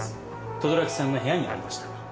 等々力さんの部屋にありました。